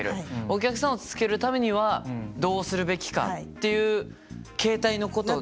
お客さんをつけるためにはどうするべきかっていう形態のことですよね？